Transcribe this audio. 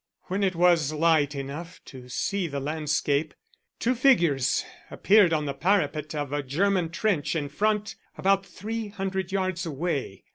When it was light enough to see the landscape, two figures appeared on the parapet of a German trench in front about three hundred yards away.